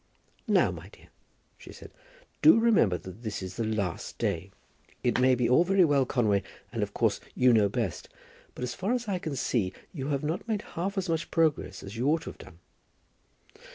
"Now, my dear," she said, "do remember that this is the last day. It may be all very well, Conway, and, of course, you know best; but as far as I can see, you have not made half as much progress as you ought to have done."